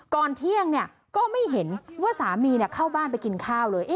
ก่อนเที่ยงก็ไม่เห็นว่าสามีเข้าบ้านไปกินข้าวเลย